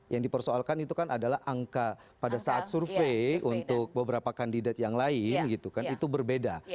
yang dipersoalkan itu kan adalah angka pada saat survei untuk beberapa kandidat yang lain gitu kan itu berbeda